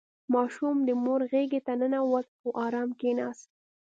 • ماشوم د مور غېږې ته ننوت او آرام کښېناست.